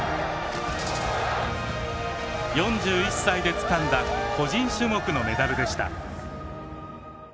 ４１歳でつかんだ個人種目のメダルでした。